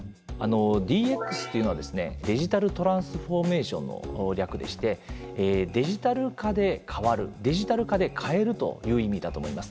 ＤＸというのはですねデジタルトランスフォーメーションの略でしてデジタル化で変わるデジタル化で変えるという意味だと思います。